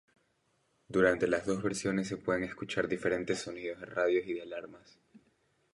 Durante las dos versiones se pueden escuchar diferentes sonidos de radios y de alarmas.